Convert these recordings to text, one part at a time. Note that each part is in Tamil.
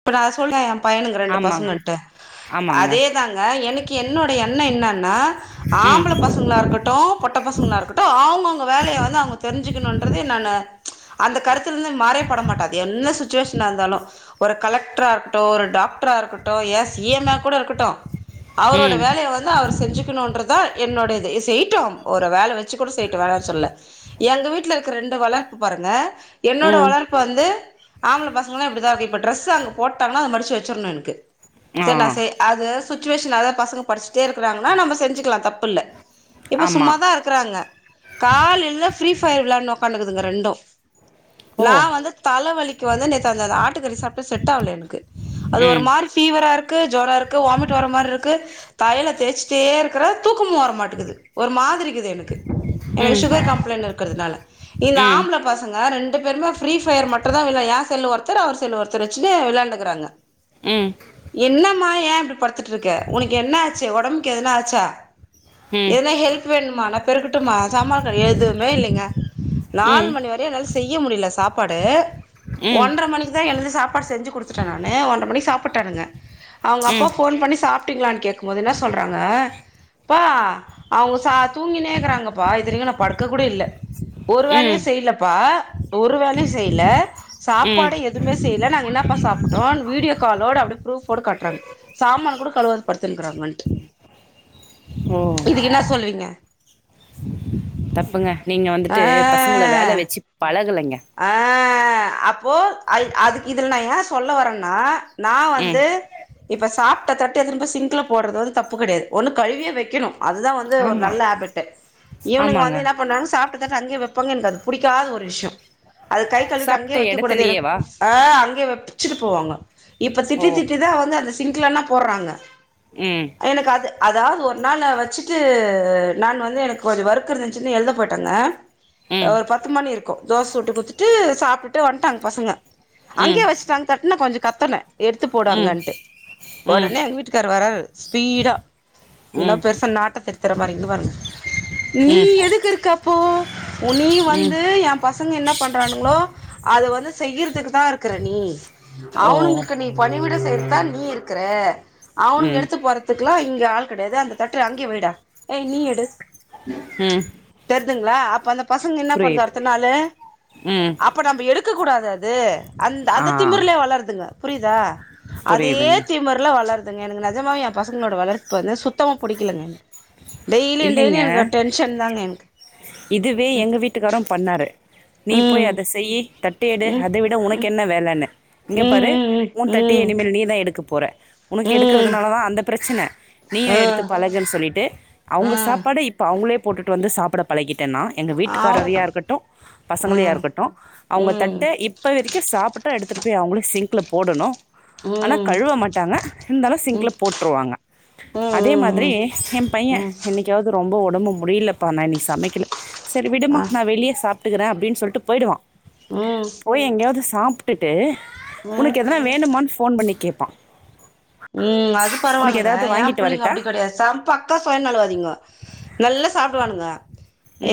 இப்ப நா அத சொல்றே எ பையனுங்க ரெண்டு ஆமாங் பசங்கள்ட ஆமாங்க அதேதாங்க எனக்கு என்னோட எண்ண என்னன்னா ம் ஆம்பள பசங்களா இருக்கட்டு பொட்ட பசங்களா இருக்கட்டு அவங்கவுங்க வேலைய வந்து அவுங்க தெரிஞ்சுக்கனுன்றது நானு அந்த கருத் துலந்து பா மாறே பட மாட்ட அது என்ன சுச் சுவேஷனா இருந்தாலு ஒரு கலெக்ட்ரா இருக்கட்டு ஒரு டாக்ட்ரா இருக்கட்டு ஏ சி எம் ஏ கூட இருக்கட்டு அவரோட ம் வேலைய வந்து அவர் செஞ்சுக்கனுன்ற தா என்னோட இது செய்ட்டு ஒரு வேல வச்சு கூட செய்ட்டு வேணான் சொல்ல எங்க வீட்ல இருக்க ரெண்டு வளர்ப்பு பாருங்க என்னோட ம் வளர்ப்பு வந்து ஆம்பள பசங்களா இப்டிதா இருக்கு ட்ரெஸ் அங்க போட்டாங்கனா அத மடிச்சு வச்சுர்னு எனக்கு ஆ சேர் நா சே அத சுச் சுவேஷன் அதா பசங்க படிச்சுட்டே இருக்குறாங்கனா நம்ம செஞ்சுக்கலா தப்புல்ல இப்ப ஆமா சும்மாதா இருக்குறாங்க கால்லெந்தே ஃப்ரீ ஃபயர் விளாண்ட்னு ஒக்காந்துக்குதுங்க ரெண்டு ஓ நா வந்து தல வலி க்கு வந்து நேத்து அந்த ஆட்டுக்கறி சா ப்ட்டு செட் ஆவுல எனக்கு அது ம் ஒருமாரி ஃபீவரா இரு க்கு ஜொர இருக்கு வாமிட் வர மார்ருக்கு தைல தேச்சிடே இருக்குறே தூக்கமு வர மாட்டெக்குது ஒரு மாதிரிக்கிது எனக்கு எனக்கு ம் ம் சுகர் கம்ப்ளை இருக்கிறதுனால ம் இந்தஆம்பள பசங்க ரெண் பெரும ஃப்ரீஃபயர் மட்டுதா வில்லே யா செல்ல ஒருத்த அவர் செல் ஒருத்த ச்சு விளையாண்டுக்கறாங்க ம் ம் என்னம்மா ஏ இப்டிபடுத்துட்டு இருக்க உனக்கு என்ன ஆச்சு உடம்புக்கு எதுன ஆச்சா எதனா ஹெல்ப் வேணுமா நா பெருக்கட்டுமா சம்பா கழுவ எதுவுமே இல்லங்க நாலு மணி வரயு ஸ் செய்ய முடியல சாப்பாடு ம் ஒன்ற மணிக் தா எழுந்து சாப் சாப்பாடு செஞ்சு குடுத்துட்டே நானு ஒண்ட்ர மணி சாப்பிட்டானுங்க அவங்க அப்பா ம் ஃபோன்பண்ணி சாப்பிட்டீங்களான்னு கேக்கு போது என்ன சொல்றாங்க பா அவங்க தூங்கினேக்கறாங்கப்பா இத்னிகு நா படுக்க கூட இல்ல ஒரு வேலயு ம் செய்யலப்பா ஒரு வேலயு செய்யல ம் சாப்பாடு எதுமேஸ் நா என்ன பா சாப்பிட்டோ வீடியோலோட அப்டியே புரூப் காட்றாங்க சாமான கூட கழுவாத ஓ படுத்துனுக்குராங்கன்டுஇதுக்கு என்ன சொல்லுவீங்க தப்புங்க நீங்க வந்துட்டு பசங்கள வேல வச்சு பழகல ஆ அப்போ அ அதுக்கு இதுல நா ஏ சொல்ல வரேன்னா நா ம் வந்து இப்ப சாப்பிட்ட தட்டு எதுன சிங்க்கல போடுறது வந்து தப்பு கிடையாது ஒண்ணு கழுவியே வைக்கணு அதுதா வந்து ஒரு ஆமா நல்ல ஹேபட்டு் இவனுங்க ஆமாங்க வந்து என்ன பண்னாங்க சாப்பிட்ட தட்ட அங்கே பங்கன் எனக் அது பிடிக்காத ஒரு விஷயோ அது கை கழுவிட்டு சாப்ட்ட அங்கேயே வைக்ககூடாது எனக்கு எடத்துலயேவா ஆ அங்கே வப் வச்சுட்டு போவாங்க இப்ப ஓ திட்டி திட்டி தா வந்து அந்த சிங்கலனா போடுறாங்க ம் எனக்கு அது அதாது ஒரு நாள வச்சுட்டு நா வந்து எனக்கு கொஞ்ச ஒர்க் இருந்துச்சுனு எழுத போயிட்டேங்க ம் ஒரு பத்து மணி இருக்கு தோச சு ட்டு குடுத்துட்டு சாப்பிட்டு வந்ட்டாங்க பசங்க ம் ம் அங்கே வச்சுட்டாங்க தட்டுனா கொஞ்ச கத்தனே எடுத்து ம் போடுங்கன்ட்டு ம் உடனே எங்க வீட்டுக்காரரு வராரு ஸ்பீடாக என்னோ பெருசா நாட்ட திருத்துற மாதரி இந்தா பாருங்க நீ ம் எதுக்குஇருக்க ப்போ உ நீ ம் வந்து எ பசங்க என்ன பண்றுங்களோ அத வந்து செய்றதுக்கு தாஇருக்கர நீ ஓ அவனுங்களுக்கு நீ பணிவட செய்ரதுக்குதா நீ இருக்கர அவனுங்க ம் எடுத்து போறதுகுலா ஆள் கிடையாது அந்த தட்ட அங்கே வைடா ஏ நீ எடு ம் தெரியதுங்களா அப்ப அந்த பசங்க என்ன பண்ணுது புரியுது அடுத்த நாளே ம் அப்ப நம்ம எடுக்க கூடாது அது அந்த ஆ அந்த திமிரலே வளருதுங்க புரியுதா அதே புரியுதுங்க திமிரல வளரு எனக்கு நஜமாவ என் பசங்களோட வளர்ப்பு வந்து சுத்தமா புடிக்கலங்க டெய்லியும் இல்லைங்க டெய்லியும் எனக்கு டென்ஷன் தாங்க எனக்கு இதுவே எங்க வீட்டுக்காரும் பண்ணாரு ம் நீ போய் அதைச் ம் செய்யி தட் ட்டு அதை விட உனக்கு என்ன வேல என்ன ம் இங்க பாரு ம் உன் தட்டி ம் இனிமேல் நீ தா எடுக்கப் போற உனக்கு ம் எடுக்கறதுனாலதா அந்த பிரச்சன நீய ம் எடுத்து பழகுன்னு சொல்லிட்டு அவங்க ம் சாப்பாட இப்பா அவங்களே போட்டு வந்து சாப்பிட பழகிட் விட்டனா எங்க வீட்டுக்காரா ஆவ் இருக்கட்டு பசங்களா ம் இருக்கட்டு ம் அவங்க ம் தட்ட இப்ப வரைக்கு சாப்பிட்ட எடுத் திருப்பி அவங்களு சிங்கில போடணு ஆனா ம் கழுவ மாட்டாங்க இருந்தாலு ம் சிங்க்கில போட்டுருவாங்க அதே மாதிரி ம் ம் என் பைய ம் அதாவது ரொம்ப உடம்பு முடியல ப அம்மா இன்னக்கு சமைக்கல சேரி விடுமா ஆ நா வெளியே சாப் விட்டுற அப்படின் சொல்ட்டு போயிவா ம் போய் எங்கயவது சாப்பிட்டுட்டு ம் உனக்கு எதன வேணுமான்னு போன் பண்ணி கேட் ப்பா ம் அது பரவலங்க ஏ பிள்ளைங்க வரட்டா அப்படி கிடையா சம் பக்க சுயநலவாதி ங்க நல்லா சாப்பிடுவானுங்க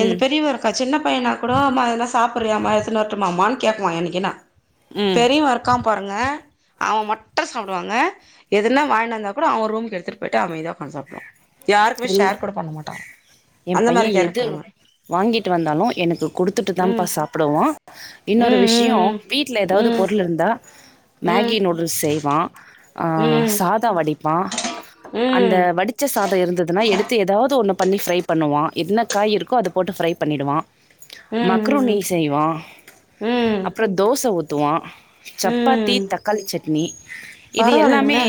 எது பெரியவ இருக்கா சின்னப் ப்ப ஏனா கூட மா செ சாப்பிறியாமா எத்துனு வருட்டுமாம்மா கேப்பா என்னிக்கின்னா ம் பெரியவ இருக்கா பாருங்க அவ மட்டு சாப்புடுவாங்க எதுனா வாயிண்டு வந்தா கூட அவ ரூமுக்கு எடுத்துட்டு போயிட்டு அமைதியா உட்காந்து சாப்புடுவா இந்த ஏ அந்த பையே மாரி எது கேரக்டர் அவ வாங்கிட்டு வந்தாலு எனக்கு குடுத்துட்டுதான்ப்பா ம் சாப்புடுவா இன்னொரு ம் விஷயோ ம் வீட்ல ஏதாவது ம் பொருள் இருந்தா ம் மேகி நூடூல்ஸ் செய்வா ஆ ம் சாதா வடிப் பா ம் அந்த ம் வடிச்ச சாதோ இருந் துனா எடுத்து ஏதாவது ஒன்னு பண்ணி ஃப்ரை பண்ணுவா என்ன காய் இருக்கோ அத போட்டு ஃப்ரை பண்ணிடுவா ம் மக்ருனி ம் செய்வா ம் அப்புறோ தோச ஊத் துவா ம் சப்பாத்தி ம் தக்காளி சட்னி இது எல்லாமே பரவாயில்லைங்களே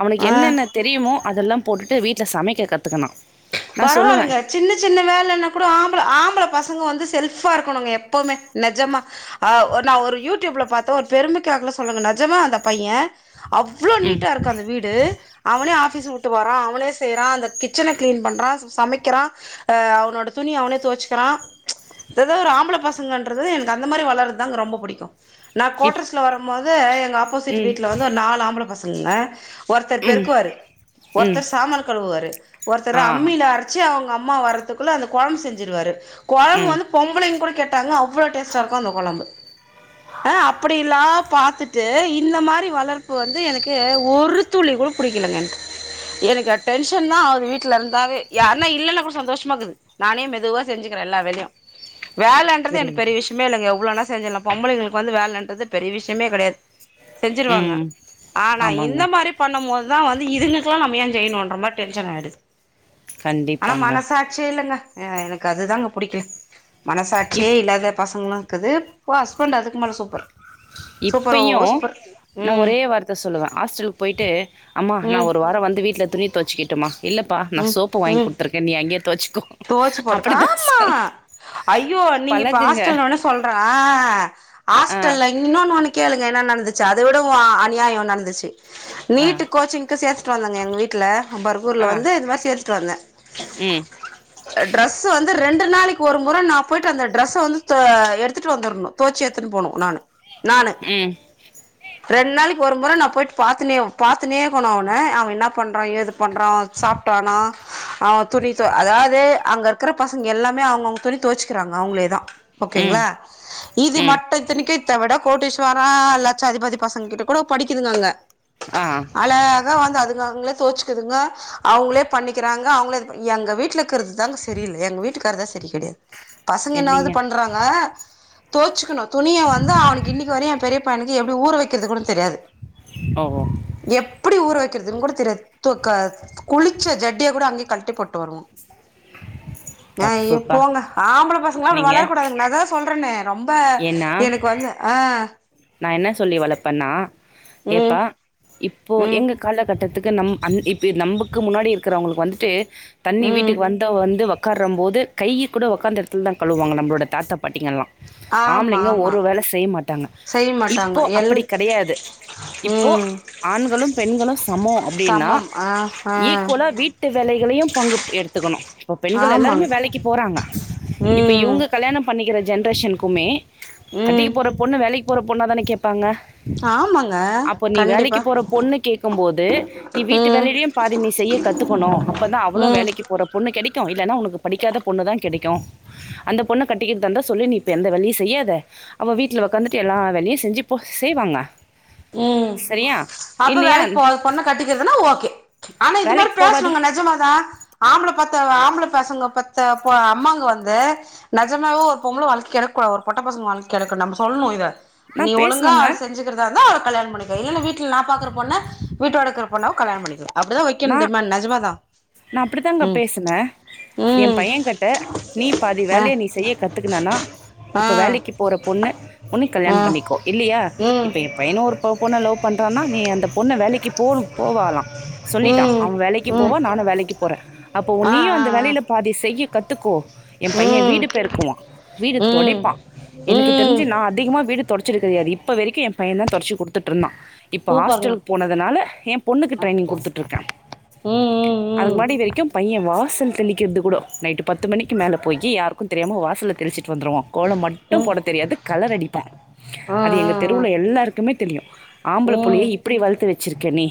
அவுனுக்கு ஆ என்னென்ன தெரியுமோ அதெல்லா போட்டுட்டு வீட்ல சமைக்க கத் த்துக்கனா பரவாயில்லங்க சின்ன சின்ன வேலனா கூடோ ஆம்பள ஆம்பள பச பசங்க வந்து செல்ஃபா இருக்கணுங்க எப்பமே நெஜமா ஆ ஒ நா ஒரு யூடியூப்ல பாத்தே ஒரு பெருமைக்காகல சொல்லங்க நெஜமா அந்த பையே அவ்ளோ ம் நீட்டா இருக்கு அந்த வீடு அவனே ஆப் பீஸ்வுட்டுவரா அவனே செய்றா அந்த கிச்சன கிளீன் பண் ட்டாராஸ் சமைக்கிறா ஆ அவனோட துணிய அவனே தொவச்சிக்கிறா இததா ஒரு ஆம்பள பசங்க இண்டறது எனக்கு அந்த மாரி வளருதா ரொம்ப புடிக்கு நா இப் கோட்டர்ஸ்ல வருபோது த எங் ஆப்போசிட் ம் வீட்ல வந்து ஒரு நாலு ஆம்பள பசங் [unintelligible] ஒருத்தர் ம் பெருக்குவாரு ம் ஒருத்தர் சாமான் கழுவுவாரு ஒருத்தர் ஆ அம்மில அரச்சி அவுங் அம்மா வரதுக்குள்ள அந்த கொழம்பு செஞ்சிறுவாரு கொழம்பு ம் வந்து பொம்பளைங்க கூட கேட்டாங்க அவ்ளோ டேஸ்ட்டா இருக்கு அந்த கொழம்பு அ அப்புடி லா பாத்துட்டு இந்த மாரி வளர்ப்பு வந்து எனக்கு ஒரு துளி கூட புடிக்கலங்க எனக்கு டென்ஷன் தா ஆவுது வீட்லருந் ந்தாவே யார்னா இல்லன்னா கூட சந்தோஷ மாக்குது நானே மெதுவா செஞ்சுக்கிறே எல்லா வேலையு வேலன்றது எனக்கு புரியுது பெரிய விஷ்யமே இல்லங்க எவ்ளோனா செஞ்சுலா பொம்பளைங்களுக்கு வந்து வேலன்றது பெரிய விஷ்யமே கெடையாது செஞ்சிருவாங்க ம் ஆனா இந்த ஆமாங்க மாரி பண்ணும்மோதுதா வந்து இதுங்கக்கெல்லா நம்ம ஏ செய்னுன்ற மார் டென்ஷன் ஆயிடுது ஆனா கண்டிப்பாங்க மனசாட்சியே இல்லங்க ஆ எனக்கு அதுதாங்க புடிக்கல மனசாட்சியே இப் இல்லாத பசங்களா இக்கது ஏ ஹஸ்பண்ட் அதுக்கு மேலே சூப்பர் சூப்பரோ இப்பையு சூப்பர் நா ம் ஒரே வார்த்த சொல்லுவே ஹாஸ்டலுக் போயிட்டு அம்மா நா ம் ஒரு வாரொ வந்து வீட்ல துணி தொவச்சிக்கிட்டுமா இல்லப்பா நா சோப்பு வாங்கி குட்த்துருக்கே நீ அங்கயே தொவச்சுக்கோ தொவச்சு போட்டுக்க அப்டிதா ஆமா சொல் ஐயோ நீங்க இப்ப பழகுங்க ஹாஸ்டல்னோன சொல்றே ஆ ஆ ஹாஸ்டல்ல இ ன்னோன்னு ஒன்னு கேளுங்க என்ன நடந்துச்சு அத விடவு அநியாயொ நடந்துச்சு ஆ நீட்டு கோச்சிங்க்கு சேத்து விட்டாங்கங்க எங்க வீட்ல தர்பூர்ல ஆ வந்து இது மார் சேத்து ட்டு வந்தே ம் ட்ரெஸ்ஸு வந்து ரெண்டு நாளைக்கு ஒரு முற நா போயிட்டு அந்த டிரெஸ்ஸ வந்து த எடுத்துட்டு வந்துர்னு தோச்சு எட்த்துன்னு போனு நானு ம் ரெண் நாளைக்கு ஒரு முற நா போயிட்டு பாத்துன்னேவு பாத் துன்னேக்கனு அவன அவ என்னா பண்றா ஏது பண்றா சாப்டானா அவ துணி தொ அதா து அங்க இருக்குற பசங்க எல்லாமே அவுங்கவுங்க துணி தோச்சுக்கிறாங்க அவுங்ளேதா ம் ஓகேங்ளா இது ம் மட்டு இத்தனக்கி இத விட கோட்டீஸ்வரம் லட்சாத்திபதி பசங்க கிட்ட கூட படிக்குதுங்காங்க ஆ அழகா வந்த அதுக்குத்தான் தோச்சுக்குதுங்க அவங்களே பண்ணிக்கிறாங்க அவங்கள எங்க வீட்டல இருகுறது தான் சரியில்லை எங்க வீட்டுக்கார தான் சரி கிடையாது பசங்க என்னாவது இல்லைங்க பண்றாங்க தோச்சுக்கணும் துணிய வந்து அவனுக்கு இன்னைக்கு வர என் பெரியப்பையனுக்கு எப்படி ஊற வைக்கிறது கூட தெரியாது ஓ எப்படி ஊற வைக்கிறதுன்னு கூட குளிச்ச ஜட்டிய கூட அங்கே கழட்டி போட்டு போட்டு வருவான் அஹ் தப்புப்பா போங்க ஆம்பளை பசங்களாம் அப்படி நீங்க வளரக்கூடாதுங்க ஏதாவது சொல்றேன்ங்க ரொம்ப எனக்கு வந்து ஆஹ் நான் என்ன சொல்லி வளப்பேண்ணா ம் ஏன்ப்பா இப் இப்போ ம் எங்க காலத்துல கட்டத்துக்கு நம் இப்ப நமக்கு முன்னாடி இருக்கிறவங்களுக்கு வந்துட்டு தண்ணி ம் வீட்டுக்கு வந்தா வந்து உட்காரறபோது கை கூடக்காந்து இடல தான் கழுவுவாங்க நம்மளோட தாத்தா பாட்டிங்கள்லாம் ஆமா ஆம்ளைங்க ஆமா ஒரு வேலை செய்ய மாட்டாங்க செய்ய மாட்டாங்க இப்போ எல் அப்படி கிடையாது இப்போ ம் ஆண்களும் பெண்களும் சமம் அப்படின்னா சமம் ஆ ஆ ஈக்குவலா வீட்டு வேலைகளையும் பங்கு எடுத்துக்கணும் இப்போ பெண்கள் ஆமாங் எல்லாருமே வேலைக்கு போறாங்க இப்ப ம் இவங்க கல்யாணம் பண்ணிக்க இருக்கிற ஜென்ரேஷனுக்குமே கட்டிக்கு ம் போற பொண்ணு வேலைக்கு போற பொண்ணா தான கேட்பாங்க ஆமாங்க அப்ப நீ கண்டிப்பா வேலைக்கு போற பொண்ணு கேட்கும்போது நீ வீட்டு ம் வேலையிலும் பாதி நீ செய்ய கத்துக்கணும் அப்பதான் அவ்வளும் ம் வேலைக்கு போற பொண்ணு கிடைக்க இல்லன்னா உனக்கு படிக்காத பொண்ணு தான் கிடைக்கும் அந்த பொண்ணு கட்டிக்கிட்டுந்த சொல்லு வீட்டு வேலை செய்யாத அவ வீட்டல உக்காந்து எல்லாம் வேலையையும் செஞ்சு போ செய்வாங்க ம் சரியா அப்ப இல்லையா வேலைக்கு போவாத பொண்ண கட்டிக்கிறதுன்னா ஓகே ஆனா இது மாரி வேலைக்கு போவாது பேசணுங்க நெஜமாதான் ஆம்பள பாத் தவ ஆம்பள பசங்க பெத்த பொ அம்மாங்க வந்து நெஜமாவே ஒரு பொம்பள வாழ்க்க கெடக்கூடா ஒரு பொட்ட பசங்க வாழ்க்க கெடக்க நம்ப சொல்லணும் இத நீ நான் ஒழுங்கா பேசுவேங்க செஞ்சிக்கிறதா இருந்தா கல்யாணம் பண்ணிக்க இல்லன்னா வீட்ல நா பாக்கற பொண்ண வீட்டோடக்கிற பொண்ண கல்யாணம் பண்ணிக்கோ நா நா அப்டித்தாங்க ம் பேசுன என் ம் பையன் கிட்ட நீ பாதி ஆ வேலைய நீ செய்ய கத்துக்கனானா ஆ இப்ப வேலைக்கு போற பொண்ணு உன்னு ஆ கல்யாணம் பண்ணிக்கோ இல்லையா ம் இப்ப என் பையன ஒரு இப்ப பொண்ண லவ் பண்றான்னா நீ அந்த பொண்ண வேலைக்கு போனு போவாலாம் சொல்லிட்டான் ம் அவன் வேலைக்கு ம் போவ நானும் வேலைக்கு போற அப்போ ஆ நீயும் ஆ அந்த ஆ வேலையில பாதி செய்ய க த்துக்கோ என் பையன் ம் வீடு பெருக்குவா வீடு ம் தொடைப்பா எனக்கு தெரிஞ்சி ம் நா அதிகமா வீடு தொடச் சது கெடயாது இப்போ வரைக்கும் என் பையன் தா தொடச்சி குடுத்துட்டுருந்தான் இப்போ சூப்பருங்க ஹாஸ்டலுக்கு போனதுனால என் பொண்ணுக்கு ட்ரைனிங் குடுத்துட் டுருக்கன் ம் ம் அதுக்கு ம் முன்னாடி வரைக்கும் பையன் வாசல் தெளிக்கிறது கூட நைட்டு பத்து மணிக்கு மேல போயி யாருக்கும் தெரியாம வாசல்ல தெளிச்சிட் டு வந்துருவா கோலம் மட்டும் ம் போட தெரியாது கலர் அடிப்பான் ஆ அது ஆ எங்க ஆ தெருவுல எல்லாருக்குமே தெளியு ஆம்பள புள்ளய ம் இப்டி வளத்து வச்சிருக்க நீ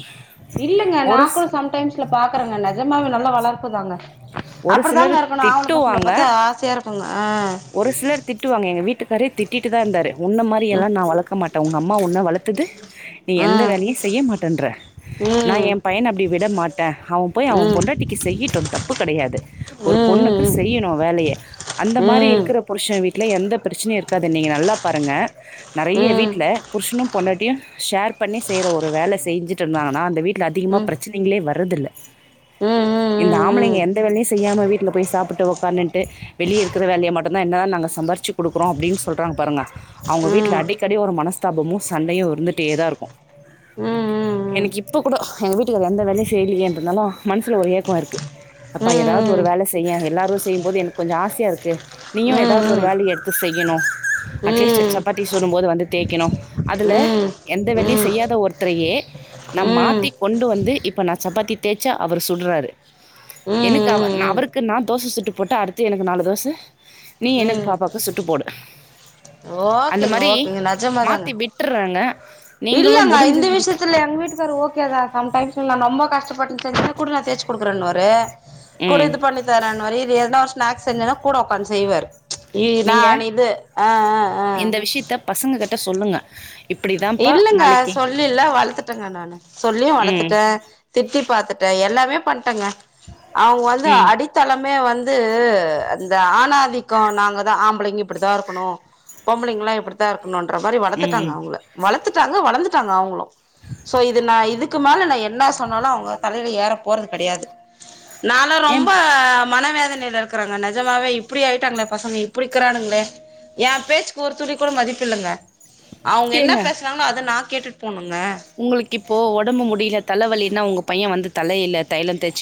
இல்லங்க நா ஒரு கூட ஸ்- சம்டைம்ஸ்ல பாக்கறங்க நெஜமாவே நல்ல வளர்புதாங்க ஒரு அப்டிதாங்க சிலர் இருக்கணும் ஆம்பள பசங்கல திட்டுவாங்க பாத்தா ஆசைய இருக்குங்க ஆ ஒரு சிலர் திட்டுவாங்க எங்க வீட்டுக் காரே திட்டிட்டு தா இருந்தாரு உன்ன ம் மாரியெல்லாம் நா வளக்க மாட்டன் உங்க அம்மா ஒன்ன வளத்தது நீ எந்த ஆ வேலையும் செய்ய மாட்டேன்ற நான் ம் என் பையன அப்டி விட மாட் டன் அவன் போயி அவன் ம் பொண்டாட்டிக்கு செய்யிட்டும் தப்பு கெடையாது ஒரு ம் பொண்ணுக்கு ம் செய்யணும் வேலைய அந்த மாரி ம் இருக் புருஷன் வீட்ல எந்த பிரச்சனையும் இருக்காது நீங்க நல்லா பாருங்க நறையா ம் வீட்ல புருஷனும் பொண்டாட்டியும் ஷேர் பண்ணி செய்ற ஒரு வேல செய்ஞ்சிட்டு இருந்தாங்கன்னா அந்த வீட்ல அதிகமா ம் ம் பிரச்சனங்களே வரதில்ல இந்த ஆம்பளைங்க எந்த வேலையும் செய்யாம வீட்ல போயி சாப்பட்டு உக்காதுன்ட்டு வெளிய இருக்கிற வேலைய மட் ப்ப என்னனா நாங்க சம்பாருச்சு குடுக்குறோ அப்படின்னு சொல்றாங்க பாருங்க அவங்க வீட்டுல அடிக்கடி ஒரு மனஸ்தாபமு சண்டையு இருந்துட்டேதா இருக்கு எனக்கு இப்ப கூட எங்க வீட்டுகார் எந்த வேலையு செய்யலந்தாலு மனசுல ஒரு ஏக்கோ இருக்கு அப்ப ஏதாவது ஒரு வேல செய்ய எல்லாரு செய்யும்போது எனக்கு கொஞ்ச ஆசையா இருக்கு நீயு ஏதாவது ஒரு வேலைய எடுத்து செய்யணு அட்லீஸ்ட் சப்பாத்தி ஓகேங்க சுடும்போது வந்து தேய்க்கணு அதில எந்த வேலையு செய்யாத ஒருத்தரையே நா மாதி கொண்டு வந்து இப்போ நா சப்பாத்தி தேய்ச்சா அவர் சுட்றாரு எனக்கு அவ நா அவருக்கு நா தோச சுட்டு போட்டா அடுத்து எனக்கு நாலு தோச நீயு எனக்கு பாப்பாவுக்கு சுட்டு போடு அந்த ஓகேங்க மாரி ஓகேங்க நஜமாதாங்க மாத்தி விட்டுறாங்க நீங்களு இல்லங்க முடிஞ்ச இந்த வரைக்கு விஷயத்துல எங்க வீட்டுக்கார ஓகே தா சம்டைம்ஸ் நா ரொம்ப கஷ்டப்பட்டு தேய்குற குடு நா தேய்ச்சு குடுக்குறேனுவாரு குடு ம் இது பண்ணி தரேனு வாரு இரு எதனா வரு ஸ்நாக்ஸ் செஞ்சன கூட ஒக்காந்து செய்வாரு இ தா நீங்க இது ஆ ஆ ஆ இந்த விஷயத்த பசங்கக ட்ட சொல்லுங்க இப்டிதான்ப்பா இல்லங்க நாளைக்கு சொல்லிலா வளத்து இ்ல்லங்க நானு சொல்லியு ம் வளத்துட்டே திட்டி பாத்துட்டே எல்லாமே பண்ட்டேங்க அவங்க வந்து ம் அடித்தளம் மே வந்து அந்ந ஆணாதிக்கோ நாங்க தா ஆம்பளைங்க இப்படித்தா இருக்கணு பொம்பளைங்கலா இப்படித்தா இருக்கணு க்கனுன்ற மாரி ம் வளத்துட்டாங்க ம் அவங்கள வளர்த்துட்டாங்க வளந்துட்டாங்க அவங்களு சோ இது நா இதுக் இதுக்கு மேல நா என்ன சொன்னாலு அவுங்க தலையில ஏற போறது கெடையாது நாலா ரொம்ப ஏம் மன வேதனையில இருக்கறேங்க நெஜமாவே இப்டி ஆயிட்டாங்களே பசங்க இப்டி இருக்கிறானுங்களே ஏ பேச்சுக்கு ஒரு துளி கூட மதிப்ப இல்லங்க அவுங்க என்ன ஏங்க பேசுனாங்கனா அத நா கேட்டுட்டு போனு உங்களுக்கு இப்போ ஒடம்பு முடியில தலவலினா உங்க பையே வந்து தலையில்ல தைலம் தேய்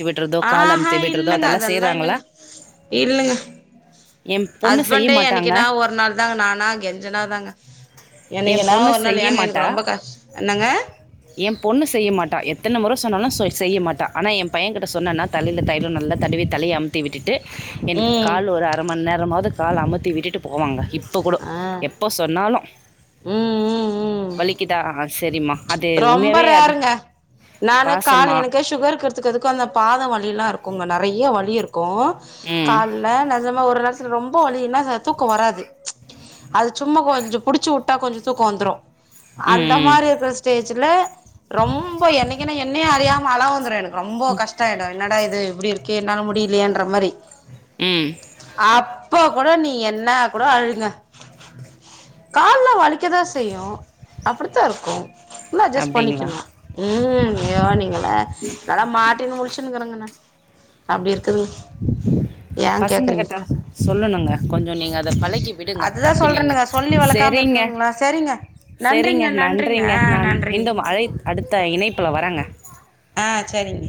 ஆஹா இல்லங்க அதெல்லா இல்லங்க இல்லங்க என் பொண்ணு செய்ய ஹஸ்பண்டே மாட்டாங்க என்னைக்குனா ஒரு நாள் தாங்க நானா கெஞ்சுனா தாங்க எ என்னைக்குனா பொண்ணு ஒரு நாள் செய்ய ஏங்க மாட்டா எனக்கு ரொம்ப கஷ் என்னங்க எ பொண்ணு செய்ய மாட்டா எத்தன மொற எப்ப சொன்னாலு சொ செய்ய மாட்டா ஆனா எ பைய்யகிட்ட சொன்னேன்னா தலையில தைய்லோ நல்லா தடுவி தலய அமுத்தி விட்டுட்டு எனக்கு ம் கால் ஒரு அரை மணி நேரமாவது கால் அமுத் டி விட்டுட்டு போவாங்க இப்போ கூடோ ஆ எப்ப சொன்னாலு ம் ம் ம் வலிக்குதா சேரிம்மா ரொம்ப ரேர்ங்க நானு காலு பாசம்மா எனக்கே சுகர் இருக்கறதுக்கு அதுக்கு அந்த பாதோ வலில்லா இருக்கு க்குங்க நெறைய வழி இருக் க்கு ம் கால்ல நெஜமா ஊர்ல்லா த் ரொம்ப வழினா தூக்கோ வராது அது சும்மா கொஞ்சோ புடிச்சிவுட்டா கொஞ்சோ தூக்கோ வந்துரு ம் அந்த ம், மாரி பிரச் பேச்சுல ரொம்ப எனக்குன என்னை அறியாம அள வந்துரு எனக்கு ரொம்போ கஷ்டோ ஆயிடு என்னடா இது இப்பிடி இருக் ஏ என்னால முடிலியேன்ற மாரி ம் அப்போ கோட நீ என்ன கோட அழுங்க கால்லா வலிக்கதா செய்யு அப்பிடித்தா இருக்கு இல்ல அட்ஜஸ்ட் அப்படிங்களா பண்ணிக்கனு ம் ஏ நீங்களே நாளா மாட்டின்னு முழச்சுன்னுக்கேறங்க நா அப்பிடி இரு பசங்க கிட்ட சொல்லணுங்க கொஞ்சோ நீங்க அத பழக்கி விடுங்க அதுதா தப்பில்லிங்க சொல்றேனுங்க சொல்லி வளக்காம சேரிங்க இருக்குங்களா சரிங்க சேரிங்க நன்றிங்க நன்றிங்க ஆ நா நன்றிங்க மீண்டும் அழை அடுத்த இணைப்புல வரங்க ஆ சேரிங்க